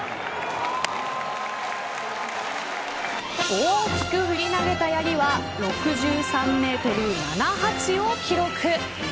大きく振り投げたやりは６３メートル７８を記録。